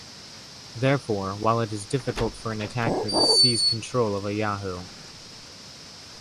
Therefore, while it is difficult for an attacker to seize control of a Yahoo!